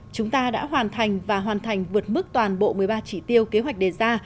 chúng ta đã hoàn thành và hoàn thành vượt mức toàn bộ một mươi ba chỉ tiêu kế hoạch đề ra